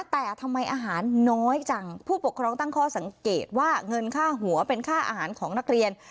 แต่ทำไมอาหารน้อยจังผู้ปกครองตั้งข้อสังเกตว่าเงินค่าหัวเป็นค่าอาหารของนักเรียน